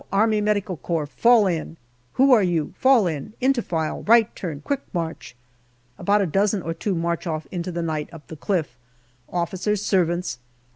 A.M.C. faU in. Who are you ? Fall in. Into file, right turn, quick march." About a dozen or two march off into the night up the cliff officers' servants, A.S.